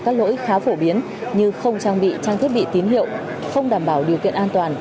các lỗi khá phổ biến như không trang bị trang thiết bị tín hiệu không đảm bảo điều kiện an toàn